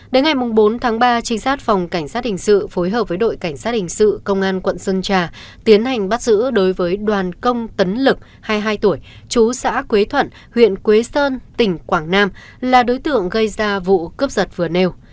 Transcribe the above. đến ngày bốn tháng ba trinh sát phòng cảnh sát hình sự phối hợp với đội cảnh sát hình sự công an quận sơn trà tiến hành bắt giữ đối với đoàn công tấn lực hai mươi hai tuổi chú xã quế thuận huyện quế sơn tỉnh quảng nam là đối tượng gây ra vụ cướp giật vừa nêu